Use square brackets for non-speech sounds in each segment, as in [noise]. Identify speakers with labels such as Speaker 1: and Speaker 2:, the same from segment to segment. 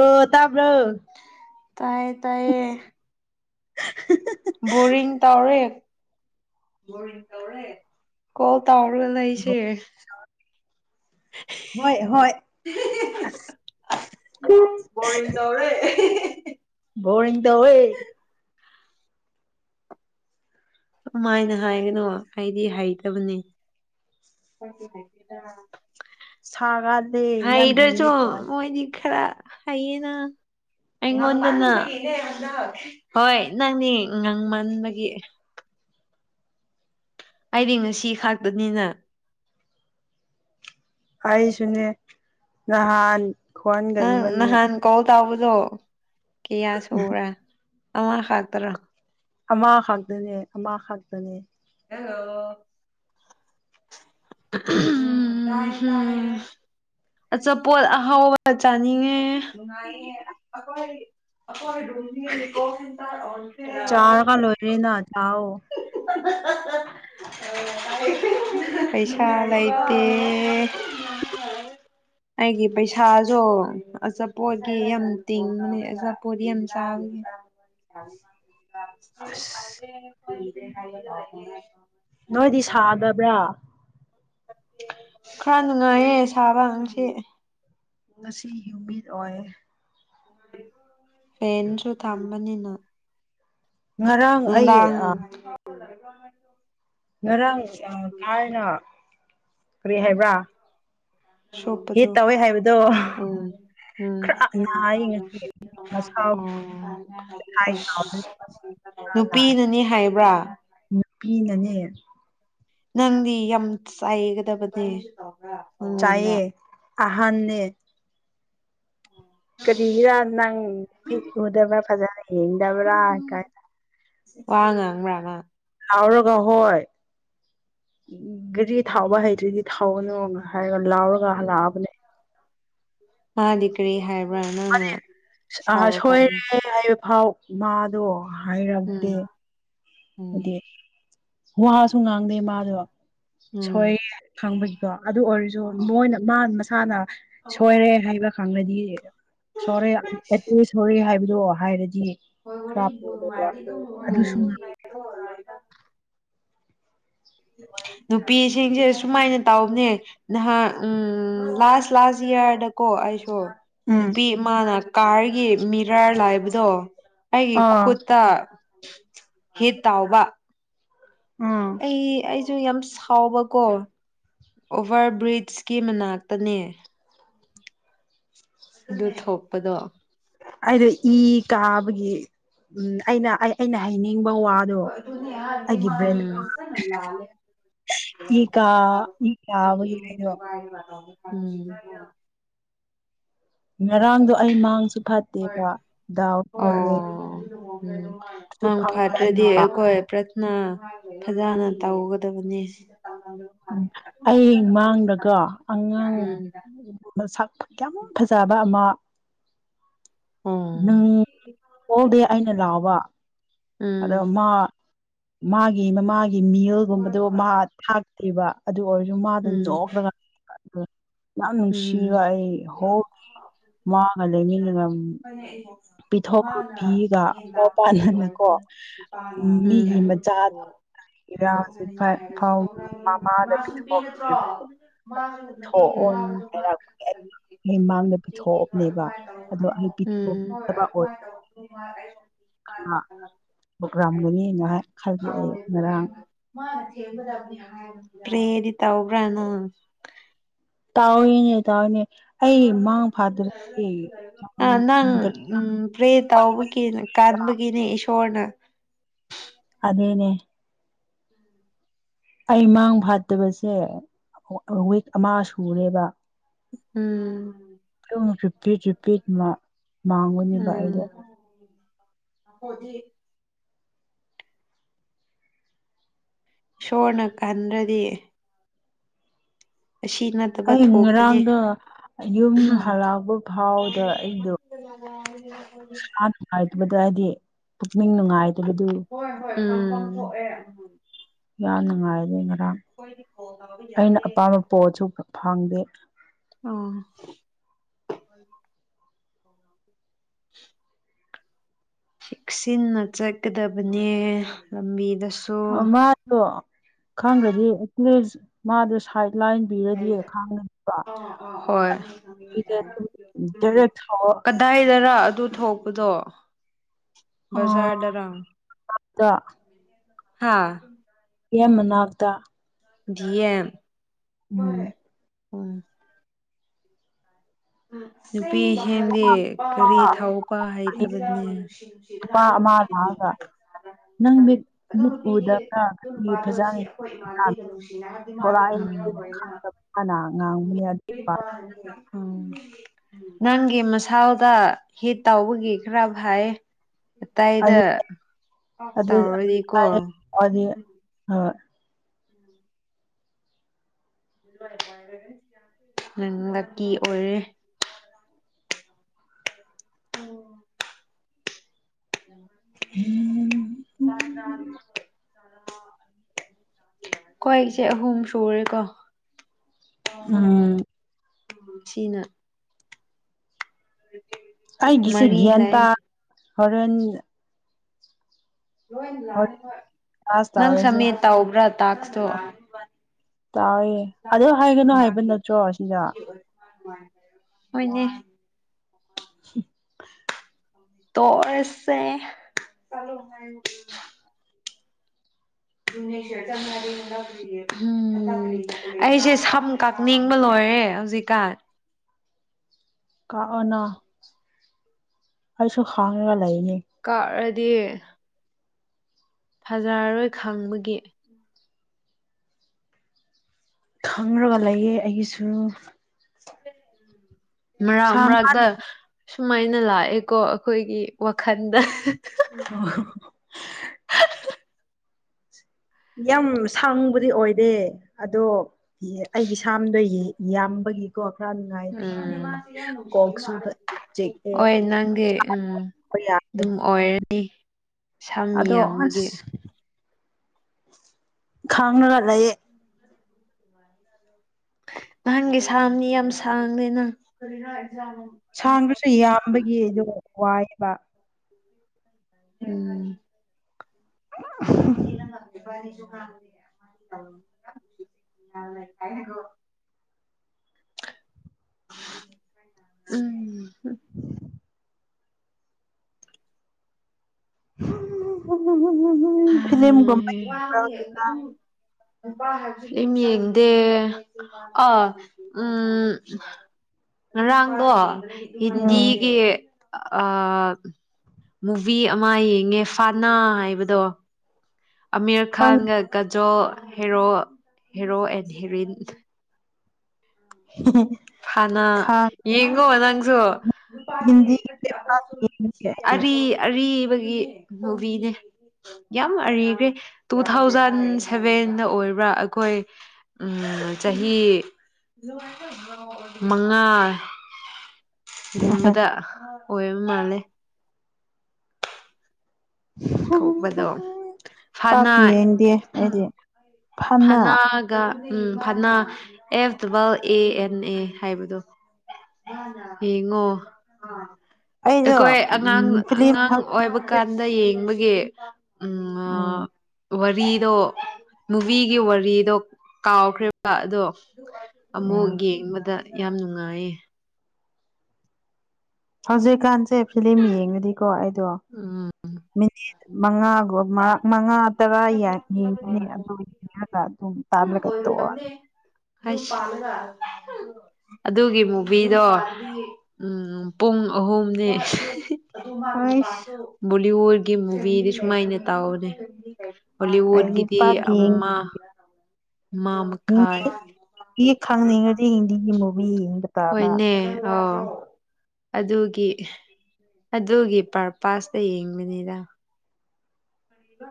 Speaker 1: ꯑ ꯇꯥꯕ꯭ꯔꯣ
Speaker 2: ꯇꯌꯦ ꯇꯌꯦ ꯇꯔꯦ ꯀꯣ ꯇꯥꯎꯔ ꯂꯩꯁꯦ
Speaker 1: ꯍꯣꯏ ꯍꯣꯏ
Speaker 2: ꯕꯣꯔꯟ ꯇꯧꯔꯦ
Speaker 1: ꯕꯣꯔꯤꯡ ꯇꯧꯋꯦ
Speaker 2: ꯀꯃꯥꯏꯅ ꯍꯥꯏꯒꯅꯣ ꯑꯩꯗꯤ ꯍꯩꯇꯕꯅꯤ
Speaker 1: ꯁꯥꯒ
Speaker 2: ꯍꯥꯏꯗꯔꯁꯨ ꯃꯣꯏꯗꯤ ꯈꯔ ꯍꯩꯌꯦꯅ ꯑꯩꯉꯣꯟꯗꯅ ꯍꯣꯏ ꯅꯪꯅꯦ ꯉꯥꯡꯃꯟꯕꯒꯤ ꯍꯥꯏꯗꯤ ꯉꯁꯤ ꯈꯥꯛꯇꯅꯤꯅ
Speaker 1: ꯑꯩꯁꯨꯅꯦ ꯅꯍꯥꯟ
Speaker 2: ꯅꯪ
Speaker 1: ꯈ꯭ꯋꯥꯟꯒꯛꯏꯕꯅꯤ
Speaker 2: ꯅꯍꯥꯟ ꯀꯣꯜ ꯇꯧꯕꯗꯣ ꯀꯌꯥ ꯁꯨꯕꯔꯥ ꯑꯃ ꯈꯛꯇꯔꯥ
Speaker 1: ꯑꯃ ꯈꯛꯇꯅꯦ ꯑꯃ ꯈꯛꯇꯅꯦ
Speaker 2: ꯑꯣ ꯎꯝ ꯑꯆꯥꯄꯣꯠ ꯑꯍꯥꯎꯕꯒ ꯆꯥꯅꯤꯡꯉꯦ ꯅꯨꯡꯉꯥꯏꯗꯣꯏꯅꯦ ꯑꯈꯣꯏ ꯑꯈꯣꯏ ꯔꯨꯝꯗꯤ [unintelligible]
Speaker 1: ꯆꯥꯔꯒ ꯂꯣꯏꯔꯦꯅ [unintelligible]
Speaker 2: [unintelligible] ꯄꯩꯁꯥ ꯂꯩꯇꯦ [unintelligible] ꯑꯩꯒꯤ ꯄꯩꯁꯥꯁꯨ ꯑꯆꯥꯄꯣꯠꯒꯤ ꯌꯥꯝ ꯇꯤꯡꯉꯅꯤ ꯑꯆꯥꯄꯣꯠ ꯌꯥꯝ ꯆꯥꯕꯅꯤ [unintelligible] [unintelligible]
Speaker 1: ꯅꯣꯏꯗꯤ ꯁꯥꯗꯕ꯭ꯔꯥ
Speaker 2: ꯈꯔ ꯅꯨꯡꯉꯥꯏꯌꯦ ꯁꯥꯕꯥ ꯉꯁꯤ
Speaker 1: ꯉꯁꯤ ꯍ꯭ꯌꯨꯃꯤꯠ ꯑꯣꯏ
Speaker 2: ꯐꯦꯟꯁꯨ ꯊꯝꯕꯅꯤꯅ
Speaker 1: ꯉꯔꯥꯡ ꯑꯩ
Speaker 2: ꯅꯨꯡꯗꯥꯡ
Speaker 1: ꯑ
Speaker 2: [unintelligible]
Speaker 1: ꯉꯔꯥꯡ ꯀꯥꯏꯅ ꯀꯔꯤ ꯍꯥꯏꯕ꯭ꯔꯥ ꯍꯤꯠ
Speaker 2: ꯁꯣꯛꯄꯗꯣ
Speaker 1: ꯇꯧꯋꯦ ꯍꯥꯏꯕꯗꯣ
Speaker 2: ꯎꯝ ꯎꯝ
Speaker 1: ꯈꯔ ꯅꯥꯏ ꯉꯁꯤ ꯃꯁꯥ
Speaker 2: ꯎꯝ ꯑꯁ ꯅꯨꯄꯤꯅꯅꯤ ꯍꯥꯏꯕ꯭ꯔꯥ
Speaker 1: ꯅꯨꯄꯤꯅꯅꯦ
Speaker 2: ꯅꯪꯗꯤ ꯌꯥꯝ ꯆꯥꯏꯒꯗꯕꯅꯦ ꯃꯉꯣꯟꯗ
Speaker 1: ꯆꯥꯏꯌꯦ ꯑꯍꯥꯟꯅꯦ ꯀꯔꯤꯒꯤꯔ ꯅꯪ ꯃꯤ ꯎꯨꯗꯕ꯭ꯔ ꯐꯖ ꯌꯦꯗꯕ꯭ꯔꯥ ꯀꯥꯏ
Speaker 2: ꯋꯥꯉ ꯉꯪ꯭ꯔꯥꯉ
Speaker 1: ꯊꯥꯎꯔꯒ ꯍꯣꯏ ꯔꯤ ꯊꯥꯎꯕ ꯍꯩꯇ꯭ꯗꯤ ꯊꯥꯎꯒꯅꯨ ꯍꯥꯏꯔꯒ ꯂꯥꯎꯎꯒ ꯍꯂꯥꯕꯅꯦ
Speaker 2: ꯍꯥꯥ ꯛꯔꯤ ꯍꯥꯏ
Speaker 1: ꯃꯥ ꯑ ꯁꯣꯏꯔꯦ ꯍꯥꯏ ꯐꯥꯎ ꯃꯥꯗꯣ ꯍꯩ
Speaker 2: ꯎꯝ
Speaker 1: ꯔꯥꯛꯗꯦ
Speaker 2: ꯎꯝ
Speaker 1: ꯑꯗꯨꯠ ꯋꯥꯁꯨ ꯉꯥꯡꯗꯦ ꯃꯥꯗꯣ
Speaker 2: ꯎꯝ
Speaker 1: ꯁꯣꯏꯑꯦ ꯈꯪꯕꯒꯤꯗꯣ ꯑꯗꯨ ꯑꯣꯏꯔꯁꯨ ꯃꯣꯏꯅ ꯃꯥ ꯊꯅꯥ ꯁꯣꯏꯔ ꯍꯥꯏꯕ ꯈꯪꯅꯗꯤꯗ ꯁꯔ ꯁꯔ ꯍꯥꯏ ꯑꯗꯨ ꯍꯥꯏꯔꯗꯤ
Speaker 2: ꯍꯣꯏ ꯋꯥꯔꯤ
Speaker 1: ꯈꯔ
Speaker 2: ꯃꯥꯥꯏꯗꯤ ꯃ
Speaker 1: ꯑꯗꯨꯁꯨ
Speaker 2: [unintelligible] ꯅꯨꯄꯤꯁꯤꯡꯁꯦ ꯁꯨꯃꯥꯏꯅ ꯇꯧꯅꯦ ꯅꯍꯥꯛ ꯂꯥꯁ ꯂꯥꯁ ꯏꯌꯥꯔꯗ ꯀꯣ ꯑꯩꯁꯨ
Speaker 1: ꯎꯝ
Speaker 2: ꯅꯨꯄꯤ ꯏꯃꯥꯅ ꯀꯥꯔꯒꯤ ꯃꯤ ꯗ꯭ꯔꯥꯏꯔ ꯂꯥꯛꯕꯗꯣ ꯑꯩꯒꯤ
Speaker 1: ꯑꯥ
Speaker 2: ꯈꯨꯠꯇ ꯍꯦ ꯇꯥꯎꯋꯥ
Speaker 1: ꯎꯝ
Speaker 2: ꯑꯩ ꯑꯩ ꯨ ꯌꯥꯝ ꯁꯥꯎꯕꯀꯣ ꯑꯣꯚꯔ ꯕ꯭ꯔꯤꯖꯀꯤ ꯃꯅꯥꯛꯇꯅꯦ ꯑꯗꯨ ꯊꯣꯛꯄꯗꯣ
Speaker 1: ꯑꯩꯗ ꯏ ꯀꯥꯕꯒꯤ ꯎ ꯑꯩꯅ ꯑꯩ ꯑꯩꯅ ꯍꯥꯏꯅꯤꯡꯉ
Speaker 2: ꯂ
Speaker 1: ꯏ ꯀꯥ ꯏ ꯀꯥꯕꯒꯤ
Speaker 2: [unintelligible]
Speaker 1: ꯑꯩꯗꯣ
Speaker 2: ꯎꯝ
Speaker 1: ꯉꯔꯥꯡꯗꯣ ꯑꯩ ꯃꯥꯡꯁꯨ ꯐꯠꯇꯦꯕ ꯗꯥꯎ ꯂꯩꯔꯦ
Speaker 2: ꯎꯝ
Speaker 1: ꯑꯗꯨ
Speaker 2: ꯃꯪ
Speaker 1: ꯐꯪꯗꯦ ꯑꯩ
Speaker 2: ꯐꯥꯗ꯭ꯔꯗꯤ ꯑꯩꯈꯣꯏ ꯄ꯭ꯔꯠꯅꯥ ꯐꯖꯅ ꯇꯧꯒꯗꯕꯅꯦ
Speaker 1: ꯎꯝ ꯑꯩ ꯃꯥꯡꯗꯒꯣ ꯑꯉꯥꯡ ꯁꯥꯛ ꯌꯥꯝ ꯐꯖꯕ ꯑꯃ
Speaker 2: ꯑꯣ ꯎꯝ
Speaker 1: ꯅꯪ ꯀꯣꯛꯎꯗꯦ ꯑꯩꯅ ꯂꯥꯛꯕ ꯑꯗꯣꯃ ꯃꯥꯒꯤ ꯃꯃꯥꯒꯤ ꯃꯤꯜꯒꯨꯝꯕꯗꯣ ꯃꯥ ꯕ ꯑꯗꯨ ꯑꯣꯏꯔꯁꯨ ꯃꯥ ꯑꯗꯨꯝ
Speaker 2: ꯎꯝ
Speaker 1: ꯅꯣꯛꯈ꯭ꯔꯒ ꯑ [unintelligible] ꯌꯥꯝ
Speaker 2: ꯎꯝ
Speaker 1: ꯅꯨꯡꯁꯤꯕ ꯑꯩ ꯍꯣꯜ ꯃꯥꯒ ꯂꯩꯃꯤꯟꯅꯉꯝ
Speaker 2: ꯃꯥꯅ ꯌꯦꯟ ꯂꯥꯛꯄ ꯅꯨꯄꯤ
Speaker 1: ꯄꯥꯟꯅꯅꯀꯣ
Speaker 2: ꯑꯣꯏꯔꯗꯤ ꯅꯨꯄꯥꯅ ꯅꯨꯄꯤ
Speaker 1: ꯃꯤꯒꯤ
Speaker 2: ꯑꯗꯨ ꯅꯨꯄꯤꯗꯣ
Speaker 1: ꯃꯆꯥꯗꯣ ꯏꯔꯥ ꯍꯧꯖꯤꯛ
Speaker 2: ꯇꯣꯛꯅꯅꯤꯡꯉꯥꯏ ꯍꯥꯏꯔꯁꯨ
Speaker 1: ꯐꯥꯎ ꯃꯃꯥꯗ
Speaker 2: ꯇꯅꯃꯁꯨ ꯅꯨꯄꯤ ꯅꯠꯇ꯭ꯔꯣ
Speaker 1: ꯑꯣ ꯍꯥꯏꯔꯛꯄ ꯑꯩ ꯃꯥꯡꯗ ꯄꯤꯊꯣꯛꯑꯕꯅꯦꯕ ꯑꯗꯣ ꯑꯩ ꯄꯤꯊꯣꯛ ꯄꯣꯛꯔꯝꯒꯅꯤꯅ ꯈꯜꯂꯤ ꯑꯩ
Speaker 2: [unintelligible]
Speaker 1: ꯉꯔꯥꯡ
Speaker 2: [unintelligible]
Speaker 1: ꯇꯧꯅꯦ ꯇꯧꯋꯦꯅꯤ
Speaker 2: ꯑ ꯅꯪ ꯄ꯭ꯔꯦ ꯇꯥꯎꯕꯒꯤ ꯀꯥꯟꯕꯒꯤꯅꯦ ꯏꯁꯣꯔꯅ [inaudible]
Speaker 1: ꯀꯅꯦ ꯑꯩ ꯃꯥꯡ ꯐꯥꯠꯇꯕꯁꯦ ꯋꯤꯛ ꯑꯃ ꯁꯨꯔꯦꯕ
Speaker 2: ꯎꯝ
Speaker 1: ꯄꯤꯠ ꯄꯤꯠ ꯃꯥ ꯃꯥꯡꯉꯨꯅꯦꯕ ꯑꯩꯗ
Speaker 2: ꯑꯣꯗꯤ ꯁꯣꯔꯅ ꯈꯟꯗ꯭ꯔꯗꯤ
Speaker 1: ꯑꯩ
Speaker 2: ꯊꯣꯛꯀꯅꯤ
Speaker 1: ꯉꯔꯥꯡꯗ ꯌꯨꯝ ꯍꯜꯂꯛꯄ ꯐꯥꯎꯗ ꯑꯩꯗꯣ
Speaker 2: ꯍ [unintelligible]
Speaker 1: ꯑꯗꯨꯗ
Speaker 2: ꯍꯣꯏ ꯍꯣꯏꯄꯥꯡ ꯑꯦ
Speaker 1: ꯉꯥꯏꯔꯣꯏꯅ ꯑꯩꯅ ꯑꯄꯥꯝꯕ ꯄꯣꯠꯁꯨ ꯐꯪꯗꯦ
Speaker 2: ꯑꯥ ꯆꯦꯛꯁꯤꯟꯅ ꯆꯠꯀꯗꯕꯅꯦ ꯂꯝꯕꯤꯗꯁꯨ
Speaker 1: ꯃꯥꯗꯣ ꯈꯪꯈ꯭ꯔꯗꯤ ꯃꯥꯗꯨ ꯁꯥꯏꯠ ꯂꯥꯏꯟ ꯄꯤꯔꯗꯤ ꯈꯥꯡꯒꯅꯤꯕ
Speaker 2: ꯍꯣꯏ ꯎꯝ
Speaker 1: ꯗꯥꯏꯔꯦꯛ
Speaker 2: ꯀꯗꯥꯏꯗꯔ ꯑꯗꯨ ꯊꯣꯛꯄꯗꯣ ꯕꯖꯥꯔ
Speaker 1: ꯊꯥꯎꯗ
Speaker 2: ꯗꯔꯥ ꯍꯥꯥ
Speaker 1: ꯌꯥ ꯃꯅꯥꯕꯗ
Speaker 2: ꯌꯦ ꯍꯣꯏ ꯍꯣꯏ ꯎ ꯅꯨꯄꯤ ꯍꯦꯟ ꯀꯔꯤ ꯊꯧꯕ ꯍꯥꯏꯇꯕꯅꯦ
Speaker 1: ꯅꯨꯄꯥ ꯑꯃ ꯂꯥꯛꯑꯒ ꯅꯪ ꯃꯤꯠ ꯃꯤꯠ ꯎꯗꯕ꯭ꯔꯥ ꯐꯖꯅ ꯊꯣꯔꯛꯏꯅꯤꯅ ꯈꯪꯗꯕꯅ ꯉꯥꯡꯕꯅꯦ
Speaker 2: ꯅꯪꯒꯤ ꯃꯁꯥꯎꯗ ꯍꯤꯠ ꯇꯥꯎꯕꯒꯤ ꯈꯔ ꯐꯥꯏ
Speaker 1: ꯑ ꯑꯗꯨ
Speaker 2: ꯇꯧꯔꯗꯤꯀꯣ
Speaker 1: ꯍ
Speaker 2: ꯑꯣꯏꯔꯦ ꯎꯝ
Speaker 1: ꯎꯝ
Speaker 2: ꯀ꯭ꯋꯥꯁꯦ ꯑꯍꯨꯝ ꯁꯨꯔꯦꯀꯣ ꯑ ꯍ
Speaker 1: ꯎꯝ
Speaker 2: ꯆꯤꯅ
Speaker 1: ꯑꯩꯒꯤꯁꯦꯒꯤ
Speaker 2: ꯃꯔꯤ ꯂꯩ
Speaker 1: ꯒꯤꯑꯇ ꯍꯣꯔꯦꯟ ꯍꯣꯔꯦꯟ ꯀ꯭ꯂꯥꯁ
Speaker 2: ꯅꯪ
Speaker 1: ꯇꯧꯔꯁꯦ
Speaker 2: ꯁꯃꯦ ꯇꯕ꯭ꯔꯥ ꯇꯥꯇꯣ
Speaker 1: ꯇꯥꯏꯑꯦ ꯑꯗꯨꯗ ꯍꯥꯏꯒꯅꯨ ꯍꯥꯏꯕ ꯅꯠꯇ꯭ꯔꯣ ꯁꯤꯗ
Speaker 2: ꯍꯣꯏꯅꯦ
Speaker 1: ꯁꯤ
Speaker 2: ꯇꯣꯛ ꯑꯥ ꯁꯦ ꯎꯝ ꯑꯩꯁꯦ ꯁꯝ ꯀꯛꯅꯤꯡꯕ ꯂꯣꯏꯔꯦ ꯍꯧꯖꯤꯛꯀꯥꯟ
Speaker 1: ꯑꯩꯁꯨ ꯈꯥꯉꯒ ꯂꯩꯅꯤ
Speaker 2: ꯀ ꯗꯦ ꯐꯖꯔꯔꯣꯏ ꯈꯪꯕꯒꯤ
Speaker 1: ꯈꯪꯔꯒ ꯂꯩꯌꯦ ꯑꯩꯒꯤꯁꯨ
Speaker 2: ꯃꯔꯛ
Speaker 1: ꯁꯥꯡꯕ
Speaker 2: ꯃꯔꯥꯛꯗ ꯁꯨꯃꯥꯏꯅ ꯂꯥꯛꯑꯦꯀꯣ ꯑꯩꯈꯣꯏꯒꯤ ꯋꯥꯈꯟꯗ
Speaker 1: ꯑ ꯌꯥꯝ ꯁꯥꯡꯕꯗꯤ ꯑꯣꯏꯗꯦ ꯑꯗꯣ ꯑꯩꯒꯤ ꯏꯁꯝꯗꯣ ꯌꯥꯝꯕꯒꯤꯀꯣ ꯈꯔ ꯅꯨꯡꯉꯥꯏꯇꯦ
Speaker 2: ꯎꯝ
Speaker 1: ꯀꯣꯛ ꯆꯨꯕ ꯆꯤꯛꯑꯦ
Speaker 2: ꯍꯣꯏ ꯅꯪꯒꯤ ꯎꯝ
Speaker 1: ꯍꯣꯏ ꯌꯥꯗꯦ
Speaker 2: ꯑꯗꯨꯝ ꯑꯣꯏꯔꯦ ꯎ
Speaker 1: ꯑꯗꯣ ꯑꯁ ꯈꯥꯡꯅꯒ ꯂꯩꯌꯦ
Speaker 2: ꯅꯍꯪꯒꯤ ꯁꯥꯝꯅꯤ ꯌꯥꯝ ꯁꯥꯡꯗꯦꯅ
Speaker 1: ꯁꯥꯡꯗꯨꯁꯨ ꯌꯥꯝꯕꯒꯤ ꯑꯗꯨ ꯋꯥꯏ [unintelligible]
Speaker 2: ꯎꯝ ꯑꯗꯨꯦ ꯄ ꯥꯏꯣ ꯎꯝ
Speaker 1: [unintelligible] ꯝ ꯐꯤꯂꯝꯝ ꯝꯕ
Speaker 2: ꯍꯥꯏ ꯑꯗꯨ ꯌꯦꯡꯗꯦ ꯑ ꯎꯝ ꯉꯔꯥꯡꯗꯣ
Speaker 1: ꯎꯝ
Speaker 2: ꯍꯗꯤꯒ ꯃꯨꯚꯤ ꯑꯃ ꯌꯦꯡꯉꯦ ꯐꯥꯅꯥ ꯍꯥꯏꯕꯗꯣ ꯑꯃꯤꯔ
Speaker 1: ꯈꯪꯗꯦ
Speaker 2: ꯈꯥꯟꯒ ꯀꯖꯣ ꯍꯦꯔꯣ ꯍꯦꯔꯣ ꯑꯦꯟ ꯍꯦꯔꯤꯟ ꯍꯅꯥ
Speaker 1: ꯈꯥꯡꯉꯤ
Speaker 2: ꯌꯦꯒꯣ ꯑꯣꯪ ꯆ ꯄꯥ
Speaker 1: ꯍꯤꯟꯗꯤꯒꯤ ꯑꯩꯗꯤ
Speaker 2: ꯑꯔꯤꯕꯒꯤ ꯃꯨꯚꯅꯦ ꯌꯥꯝ ꯑꯔꯤꯈ꯭ꯔꯦ ꯇꯨ ꯊꯥꯎꯖꯟ ꯁꯚꯦꯟꯗ ꯑꯣꯏꯕ꯭ꯔꯥ ꯑꯩꯈꯣꯏ ꯎ ꯆꯍꯤ ꯃꯉꯥ ꯒꯨꯝꯕꯗ ꯑꯣꯏꯕ ꯃꯥꯜꯂꯦ ꯊꯣꯛꯄꯗꯣ
Speaker 1: ꯄꯥꯀꯤꯦꯗꯤꯦꯗꯤꯦ
Speaker 2: ꯊꯅꯒ ꯎꯝ ꯐꯅ ꯑꯦꯐ ꯕꯥꯦꯜ ꯑꯦ ꯑꯦꯟ ꯑꯦ ꯍꯥꯏꯕꯗꯣ ꯌꯦꯡꯉꯣ
Speaker 1: ꯑꯩꯗꯣ
Speaker 2: ꯑꯩꯈꯣꯏ ꯑꯉꯥꯡ
Speaker 1: ꯎꯝ ꯐꯤꯂꯝ
Speaker 2: ꯑꯉꯥꯡ ꯑꯣꯏꯕ ꯀꯥꯟꯗ ꯌꯦꯡꯕꯒꯤ ꯦ ꯎꯝ
Speaker 1: ꯎꯝ
Speaker 2: ꯋꯥꯔꯤꯗ ꯃꯨꯚꯤꯒꯤ ꯋꯥꯔꯤꯗꯣ ꯀꯥꯎꯈ꯭ꯔꯤꯕ ꯑꯗꯣ ꯑꯃꯨ
Speaker 1: ꯎꯝ
Speaker 2: ꯌꯦꯡ ꯑꯃꯗ ꯌꯥꯝ ꯅꯨꯡꯉꯥꯏꯌꯦ
Speaker 1: ꯍꯧꯖꯤꯦ ꯀꯥꯟꯁꯦ ꯐꯤ ꯌꯦꯡꯉꯨꯗꯤꯀꯣ ꯑꯩꯗꯣ
Speaker 2: ꯎꯝ
Speaker 1: ꯃꯉꯥꯒꯨꯝ ꯃꯉꯥ ꯃꯉꯥ ꯇꯔꯥ ꯌꯦꯡꯒꯅꯦ ꯑꯗꯣ ꯌꯦꯡꯉꯒ ꯑꯗꯨꯝ ꯇꯥꯜꯂꯒ ꯇꯣꯛꯑꯣ
Speaker 2: ꯑꯁ ꯑꯗꯨꯒꯤ ꯃꯨꯚꯤꯗꯣ ꯎꯝ ꯄꯨꯡ ꯑꯍꯨꯝꯅꯤ
Speaker 1: ꯑꯩꯁ
Speaker 2: [unintelligible] ꯋꯣꯔꯒꯤ ꯃꯨꯚꯤꯗꯤ ꯁꯨꯃꯥꯏꯅ ꯇꯥꯎꯗꯦ ꯎꯏ ꯂꯩꯔꯦ
Speaker 1: ꯑꯩꯗꯤ
Speaker 2: ꯍꯣꯂꯤꯋꯗꯒꯤꯗꯤ ꯑꯃ ꯑꯃ ꯃꯈꯥꯏ
Speaker 1: ꯍꯤꯟꯗꯤꯒꯤ ꯈꯪꯅꯤꯡꯉꯗꯤ ꯍꯤꯟꯗꯤꯒꯤ ꯃꯨꯚꯤ ꯌꯦꯡꯕ ꯇꯥꯅ
Speaker 2: ꯍꯣꯏꯅꯦ ꯑꯣ ꯑꯗꯨꯒꯤ ꯑꯗꯨꯒꯤ ꯄꯔꯄꯥꯁꯇ ꯌꯦꯡꯕꯅꯤꯗ ꯀꯔꯤꯕ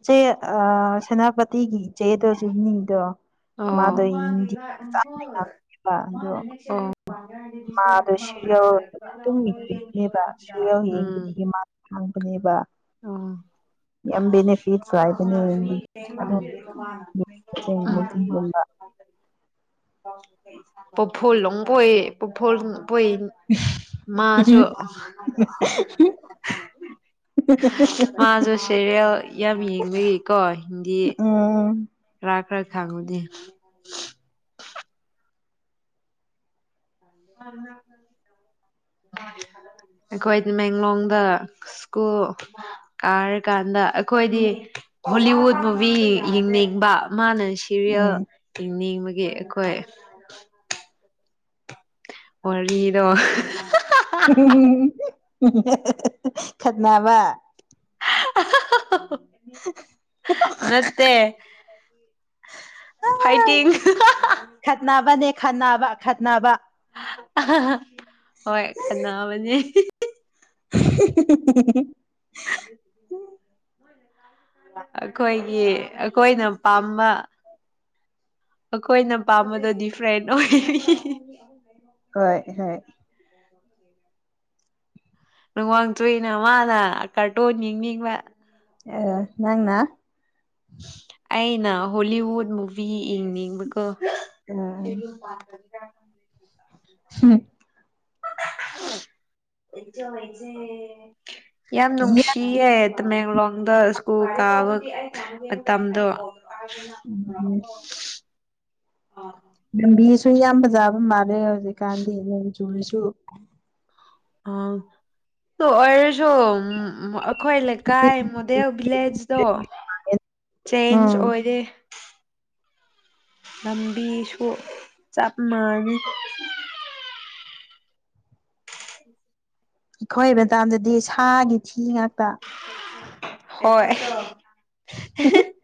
Speaker 1: ꯏꯆꯦ ꯑ ꯁꯦꯅꯥꯄꯇꯤꯒꯤ ꯏꯆꯦꯗꯣ ꯆꯨꯝꯅꯤ ꯗꯣ
Speaker 2: ꯑꯣ
Speaker 1: ꯉꯥꯡꯉꯦꯕ ꯑꯗꯣ
Speaker 2: ꯑꯣ
Speaker 1: ꯃꯥꯗꯣ ꯁꯤꯔꯤꯌꯦꯜ ꯑꯗꯨꯝ ꯌꯦꯡꯕꯅꯦꯕ ꯁꯤꯔꯤꯌꯦꯜ ꯌꯦꯡꯕꯗꯒꯤ ꯃꯥ ꯈꯪꯕꯅꯦꯕ
Speaker 2: [inaudible]
Speaker 1: ꯌꯥꯝ ꯕꯦꯅꯤꯐꯤꯠꯁ ꯂꯩꯕꯅꯦ ꯍꯤꯟꯗꯤ
Speaker 2: [unintelligible]
Speaker 1: [inaudible] ꯒꯨꯝꯕ
Speaker 2: ꯄꯐꯣꯜ ꯂ ꯀꯣꯏ ꯄꯐꯣꯜ [inaudible] [unintelligible] ꯄꯣꯏꯟ ꯃꯥꯁꯨ ꯃꯥꯁꯨ ꯁꯦꯔꯤꯌꯦꯜ ꯌꯥꯝ ꯌꯦꯡꯕꯒꯤꯀꯣ ꯍꯤꯟꯗꯤ
Speaker 1: ꯎꯝ
Speaker 2: ꯈꯔ ꯈꯔ ꯈꯪꯕꯅꯦ ꯑꯩꯈꯣꯏꯗꯤ ꯃꯦꯡꯂꯣꯡꯗ ꯁ꯭ꯀꯨꯜ ꯀꯥꯔꯤꯀꯥꯟꯗ ꯑꯩꯈꯣꯏꯗꯤ ꯍꯣꯂꯤꯋꯨꯠ ꯃꯨꯚꯤ ꯌꯦꯡꯅꯤꯡꯕ ꯃꯥꯅ ꯁꯤꯔꯤꯌꯦꯜ
Speaker 1: ꯎꯝ
Speaker 2: ꯌꯦꯡꯅꯤꯡꯕꯒꯤ ꯒꯤ ꯑꯩꯈꯣꯏ ꯋꯥꯔꯤꯗꯣ
Speaker 1: [unintelligible] ꯈꯠꯅꯥꯕ
Speaker 2: [inaudible] [unintelligible] ꯅꯠꯇꯦ
Speaker 1: [unintelligible]
Speaker 2: ꯐꯥꯏꯇꯤꯡ
Speaker 1: ꯈꯠꯅꯕꯅꯦ ꯈꯠꯅꯕ ꯈꯠꯅꯕ
Speaker 2: [unintelligible] ꯍꯣꯏ ꯈꯠꯅꯕꯅꯦ
Speaker 1: [unintelligible]
Speaker 2: ꯑꯈꯣꯏꯒꯤ ꯑꯩꯈꯣꯏꯅ ꯄꯥꯝꯕ ꯑꯈꯣꯏꯅ ꯄꯥꯝꯕꯗꯣ ꯗꯤꯐ꯭ꯔꯦꯟ ꯑꯣꯏꯌꯦ
Speaker 1: ꯍꯣꯏ ꯍꯣꯏ
Speaker 2: ꯅꯨꯡꯋꯥꯡꯆꯨꯏꯅ ꯃꯥꯅ ꯀꯔꯇꯣꯟ ꯌꯦꯡꯅꯤꯡꯕꯒꯤ
Speaker 1: ꯑ ꯅꯪꯅ
Speaker 2: ꯑꯩꯅ ꯍꯣꯂꯤꯋꯨꯠ ꯃꯨꯚꯤ ꯌꯦꯡꯅꯤꯡꯕꯀꯣ ꯑ
Speaker 1: ꯍ
Speaker 2: ꯏꯆ ꯍꯥꯏꯩꯁꯦ [inaudible] [unintelligible] ꯌꯥꯝ
Speaker 1: ꯌꯥ
Speaker 2: ꯅꯨꯡꯁꯤꯌꯦ ꯇꯃꯦꯡꯂꯣꯡꯗ ꯁ꯭ꯀꯨꯜ ꯀꯥꯕ ꯃꯇꯝꯗꯣ [inaudible] [unintelligible] ꯑ
Speaker 1: ꯂꯝꯕꯤꯁꯨ ꯌꯥꯝ ꯐꯖꯕ ꯃꯥꯜꯂꯦ ꯍꯧꯖꯤꯛꯀꯥꯟꯗꯤ ꯅꯣꯡ ꯆꯨꯔꯤꯁꯨ
Speaker 2: ꯑ ꯑꯣꯏꯔꯁꯨ ꯎ ꯑꯩꯈꯣꯏ ꯂꯩꯀꯥꯏ ꯃꯣꯗꯦꯜ ꯚꯤꯂꯦꯖꯇꯣ ꯆꯦꯟꯖ
Speaker 1: ꯎꯝ
Speaker 2: ꯑꯣꯏꯔꯦ ꯂꯝꯕꯤꯁꯨ ꯆꯞ ꯃꯥꯟꯅꯅꯩ
Speaker 1: ꯑꯩꯈꯣꯏ ꯃꯇꯗꯗꯤ ꯁꯥꯒꯤ ꯊꯤ ꯉꯥꯛꯇ
Speaker 2: ꯍꯣꯏ [unintelligible]